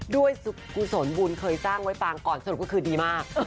ด้วยสุขุสนบุญเคยสร้างไว้ปังก่อนสนุกก็คือดีมาก